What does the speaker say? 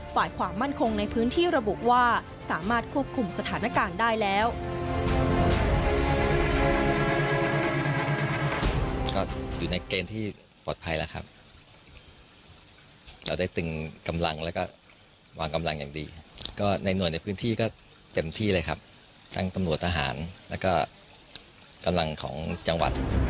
ฝ่ายความมั่นคงในพื้นที่ระบุว่าสามารถควบคุมสถานการณ์ได้แล้ว